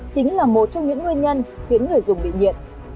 chính là một trong những nguyên nhân khiến người dùng bị nghiện